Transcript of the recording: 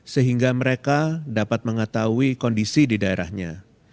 sehingga mereka dapat mengetahui kondisi di daerahnya